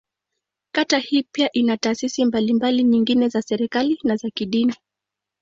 Kata hii pia ina taasisi mbalimbali nyingine za serikali, na za kidini.